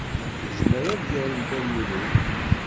Yezmer ad yarem Dda Lmulud?